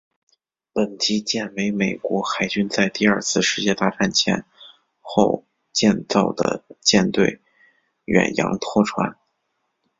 本级舰为美国海军在第二次世界大战前后建造的舰队远洋拖船。